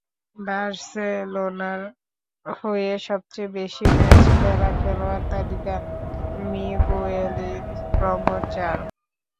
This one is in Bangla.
বার্সেলোনার হয়ে সবচেয়ে বেশি ম্যাচ খেলা খেলোয়াড় তালিকায় মিগুয়েলির ক্রম চার।